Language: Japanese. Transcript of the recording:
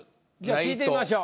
聞いてみましょう。